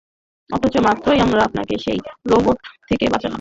অথচ, মাত্রই আমরা আপনাকে সেই রোবট থেকেই বাঁচালাম।